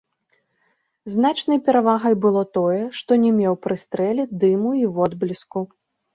Значнай перавагай было тое, што не меў пры стрэле дыму і водбліску.